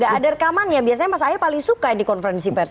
gak ada rekamannya biasanya mas ahaye paling suka dikonferensi press